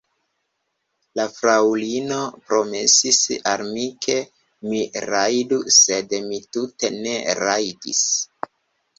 La fraŭlino promesis al mi, ke mi rajdu, sed mi tute ne rajdis.